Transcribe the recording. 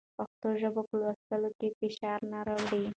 پښتو ژبه په لوستلو کې فشار نه راوړي.